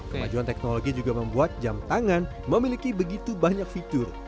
kemajuan teknologi juga membuat jam tangan memiliki begitu banyak fitur